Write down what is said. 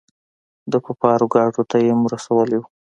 د کفارو ګاډو ته يېم رسولي وو.